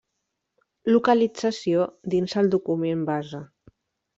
Localització dins el document base.